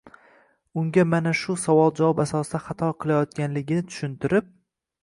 Unga mana shu savol-javob asosida xato qilayotganligini tushuntirib